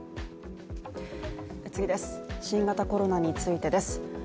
新型コロナについてです。